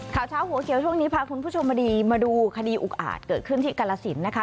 ข่าวเช้าหัวเขียวช่วงนี้พาคุณผู้ชมมาดีมาดูคดีอุกอาจเกิดขึ้นที่กรสินนะคะ